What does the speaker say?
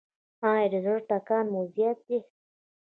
ایا د زړه ټکان مو زیات دی؟